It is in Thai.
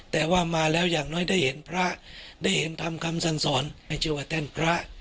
แต่ว่ามาแล้วอย่างน้อยได้เห็นพระได้เห็นทำคำสั่งสอนให้ชื่อว่าแท่นพระ